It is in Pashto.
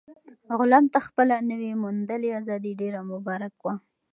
غلام ته خپله نوي موندلې ازادي ډېره مبارک وه.